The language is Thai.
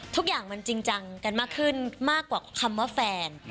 ทุกอย่างมันจริงจังกันมากขึ้นมากกว่าคำว่าแฟน